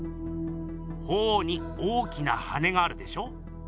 鳳凰に大きな羽があるでしょ？